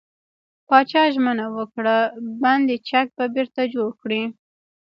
پاچا ژمنه وکړه، بند چک به بېرته جوړ کړي .